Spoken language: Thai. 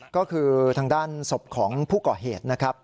ก็คือทางด้านศพของผู้ก่อเหตุนะครับ